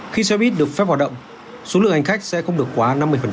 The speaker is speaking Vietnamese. khi showbiz được phép hoạt động số lượng hành khách sẽ không được quá năm mươi